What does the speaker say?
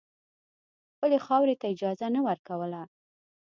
خپلې خاورې ته اجازه نه ورکوله.